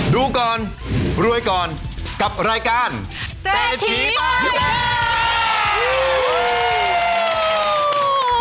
ดูก่อนรวยก่อนกับรายการเศรษฐีป้ายแดง